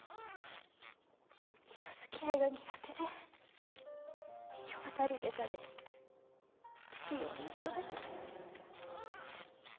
人付き合いが苦手で世渡り下手で不器用な人だけど。